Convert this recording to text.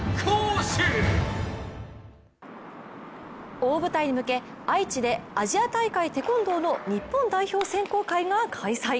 大舞台に向け愛知でアジア大会テコンドーの日本代表選考会が開催。